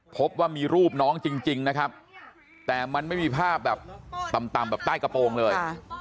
พบว่ามีรูปน้องจริงนะครับแต่มันไม่มีภาพแบบต่ำแบบใต้กระโปรงเลย